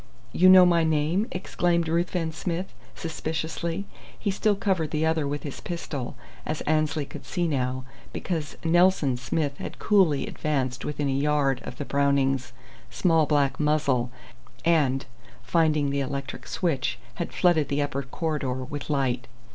"You know my name?" exclaimed Ruthven Smith, suspiciously. He still covered the other with his pistol, as Annesley could see now, because "Nelson Smith" had coolly advanced within a yard of the Browning's small black muzzle, and, finding the electric switch, had flooded the upper corridor with light.